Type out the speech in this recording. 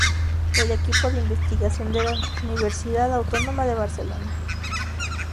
El equipo de investigación de la Universidad Autónoma de Barcelona.